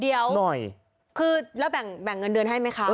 เดี๋ยวคือแล้วแบ่งเงินเดือนให้ไหมครับ